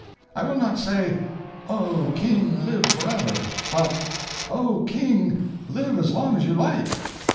I will not say, 'Oh King, live forever!' but 'Oh King, live as long as you like!'"